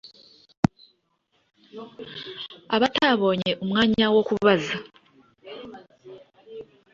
Abatabonye umwanya wo kubaza